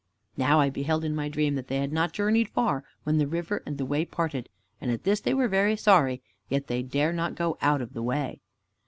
Now I beheld in my dream that they had not journeyed far, when the river and the way parted, and at this they were very sorry, yet they dare not go out of the way.